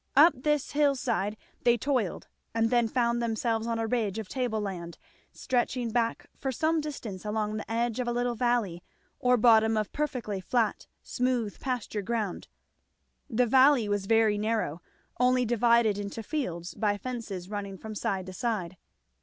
Up this hill side they toiled; and then found themselves on a ridge of table land, stretching back for some distance along the edge of a little valley or bottom of perfectly flat smooth pasture ground. The valley was very narrow, only divided into fields by fences running from side to side.